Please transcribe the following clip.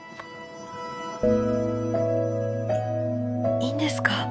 いいいんですか？